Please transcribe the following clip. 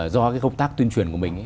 do cái công tác tuyên truyền của mình